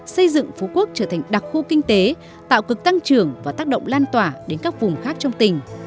xây dựng phú quốc trở thành đặc khu kinh tế tạo cực tăng trưởng và tác động lan tỏa đến các vùng khác trong tỉnh